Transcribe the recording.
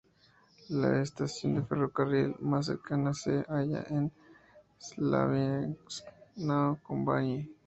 La estación de ferrocarril más cercana se halla en Slaviansk-na-Kubani.